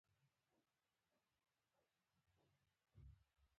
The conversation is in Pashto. ورو يې وویل: دا اوبه مو له کوم ځايه راوړې؟